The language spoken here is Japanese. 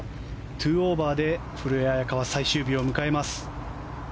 ２オーバーで古江彩佳は最終日を迎えます。